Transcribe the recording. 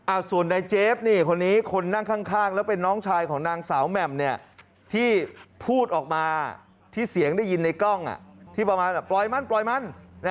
ส่วนในเจฟนี่คนนี้คนนั่งข้างแล้วเป็นน้องชายของนางสาวแหม่มเนี่ยที่พูดออกมาที่เสียงได้ยินในกล้องที่ประมาณปล่อยมันปล่อยมัน